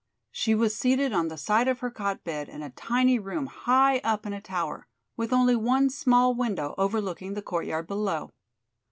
She was seated on the side of her cot bed in a tiny room high up in a tower, with only one small window overlooking the courtyard below.